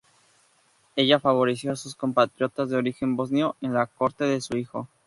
Ella favoreció a sus compatriotas de origen bosnio en la corte de su hijo.